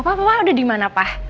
papa papa udah dimana pa